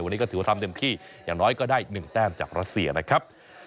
วันนี้ก็ถือว่าทำเต็มที่อย่างน้อยก็ได้๑แต้มจากรัสเซียนะครับ